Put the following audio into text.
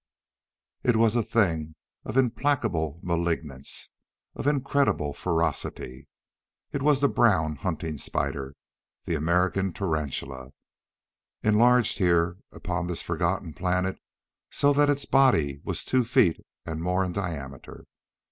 It was a thing of implacable malignance, of incredible ferocity. It was the brown hunting spider, the American tarantula, enlarged here upon the forgotten planet so that its body was two feet and more in diameter.